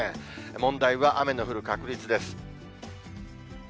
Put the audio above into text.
問題は雨の降る確率です。